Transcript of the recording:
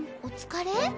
お疲れ？